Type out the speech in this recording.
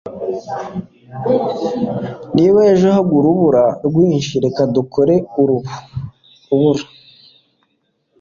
Niba ejo hagwa urubura rwinshi reka dukore urubura